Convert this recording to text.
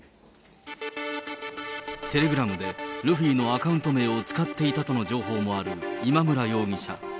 テレグラムで、ルフィのアカウント名を使っていたとの情報もある今村容疑者。